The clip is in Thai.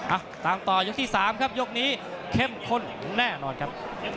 อ่ะตามต่อยกที่๓ครับยกนี้เข้มข้นแน่นอนครับ